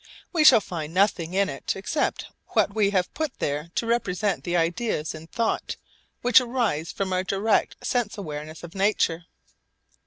We shall find nothing in it except what we have put there to represent the ideas in thought which arise from our direct sense awareness of nature.